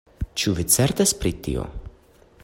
Ĉu vi certas pri tio?